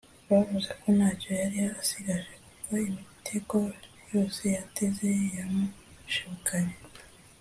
Bavuze ko ntacyo yari asigaje kuko imitego yose yateze yamushibukanye